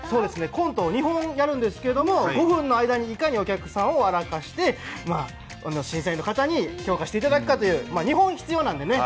コント２本やるんですけど、５分の間にいかにお客さんを笑かして審査員の方に評価していただくという２本必要なんでね。